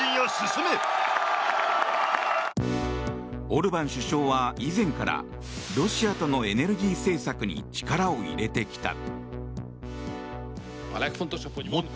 オルバン首相は以前からロシアとのエネルギー政策に力を入れてきた。